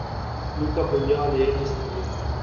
Nunca aprendió a leer y escribir.